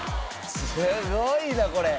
すごいなこれ。